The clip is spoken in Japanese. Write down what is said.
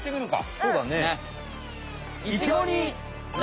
そうだね。